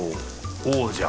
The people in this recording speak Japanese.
王者。